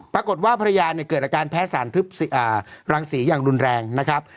ปรากฎว่าภรรยาเกิดอาการแพ้สารรังสีอย่างรุนแรงนะครับ